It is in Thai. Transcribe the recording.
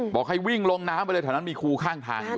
บอกให้วิ่งลงน้ำไปเลยแถวนั้นมีครูข้างทาง